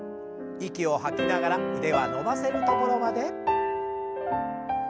息を吐きながら腕は伸ばせるところまで。